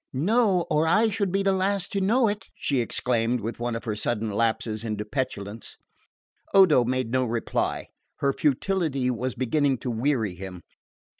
"No or I should be the last to know it!" she exclaimed, with one of her sudden lapses into petulance. Odo made no reply. Her futility was beginning to weary him.